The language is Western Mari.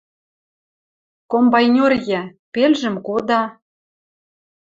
Комбайнёр йӓ, пелжӹм кода: